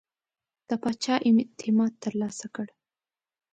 د پاچا اعتماد ترلاسه کړ.